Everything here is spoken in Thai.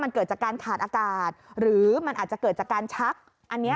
มันเกิดจากการขาดอากาศหรือมันอาจจะเกิดจากการชักอันนี้